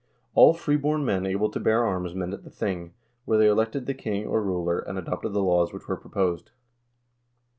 All freeborn men able to bear arms met at the thing, where they elected the king or ruler, and adopted the laws which were proposed.